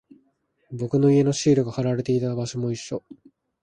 僕の家のシールが貼られていた場所も一緒。